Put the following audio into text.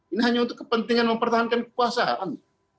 ini hanya untuk kepentingan mempertahankan kekuasaan